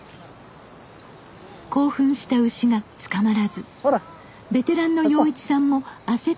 興奮した牛が捕まらずベテランの洋一さんも焦っていました。